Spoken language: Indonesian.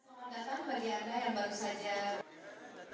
semoga datang bagi anda yang baru saja